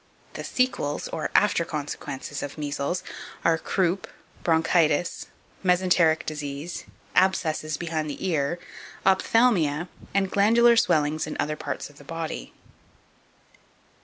The sequels, or after consequences, of measles are, croup, bronchitis, mesenteric disease, abscesses behind the ear, ophthalmia, and glandular swellings in other parts of the body.